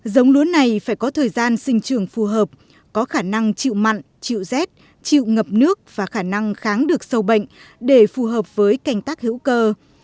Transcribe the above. giống lúa này phải có thời gian sinh trường phù hợp có khả năng chịu mặn chịu rét chịu ngập nước và khả năng kháng được sâu bệnh để phù hợp với canh tác hữu cơ